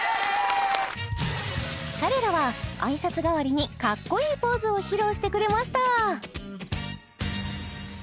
彼らは挨拶代わりにカッコいいポーズを披露してくれました